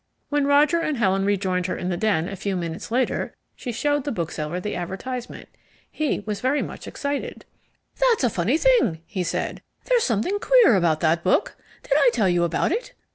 When Roger and Helen rejoined her in the den a few minutes later she showed the bookseller the advertisement. He was very much excited. "That's a funny thing," he said. "There's something queer about that book. Did I tell you about it?